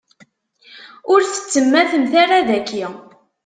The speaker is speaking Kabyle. Ur tettemmatemt ara daki.